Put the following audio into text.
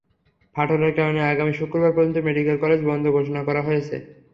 ফাটলের কারণে আগামী শুক্রবার পর্যন্ত মেডিকেল কলেজ বন্ধ ঘোষণা করা হয়েছে।